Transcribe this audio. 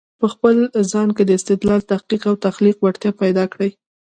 په خپل ځان کې د استدلال، تحقیق او تخليق وړتیا پیدا کړی